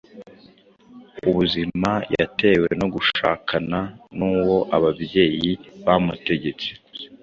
ubuzima yatewe no gushakana n’uwo ababyeyi bamutegetse